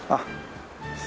あっ！